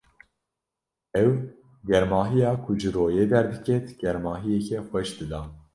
Ew germahiya ku ji royê derdiket, germahiyeke xweş dida.